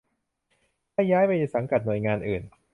ให้ย้ายไปสังกัดหน่วยงานอื่น